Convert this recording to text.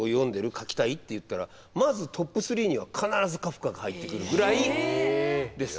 書きたい？」って言ったらまずトップ３には必ずカフカが入ってくるぐらいです。